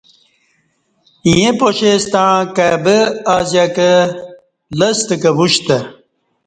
ایں پاشے ستݩع کای بہ ا زیہ کہ لستہ کہ وشتہ